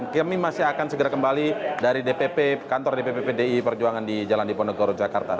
kami masih akan segera kembali dari dpp kantor dpp pdi perjuangan di jalan diponegoro jakarta